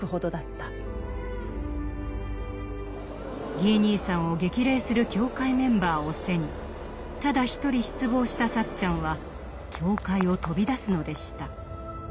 ギー兄さんを激励する教会メンバーを背にただ一人失望したサッチャンは教会を飛び出すのでした。